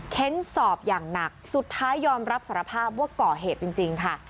้นสอบอย่างหนักสุดท้ายยอมรับสารภาพว่าก่อเหตุจริงค่ะ